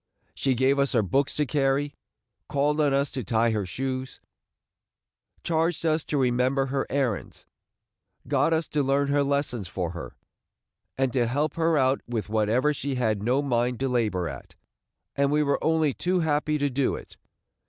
She gave us her books to carry, called on us to tie her shoes, charged us to remember her errands, got us to learn her lessons for her, and to help her out with whatever she had no mind to labor at; and we were only too happy to do it.